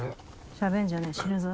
しゃべんじゃねぇ死ぬぞ。